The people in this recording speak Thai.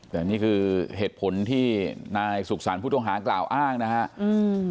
แต่นี่คือเหตุผลที่นายสุขสรรค์ผู้ต้องหากล่าวอ้างนะครับ